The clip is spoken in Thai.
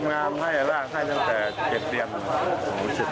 ทำงานน่ะลากให้ตั้งแต่๗เดือน